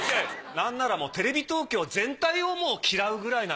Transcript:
何ならもうテレビ東京全体をもう嫌うくらいな。